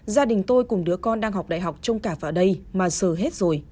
gia đình tôi cùng đứa con đang học đại học trông cả phả đầy mà giờ hết rồi